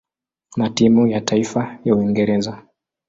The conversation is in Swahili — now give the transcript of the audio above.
na timu ya taifa ya Uingereza.